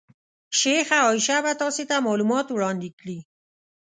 شیخه عایشه به تاسې ته معلومات وړاندې کړي.